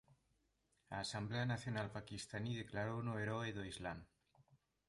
A Asemblea Nacional Paquistaní declarouno "heroe do islam".